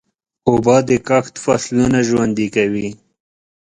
اوبه د کښت فصلونه ژوندي کوي.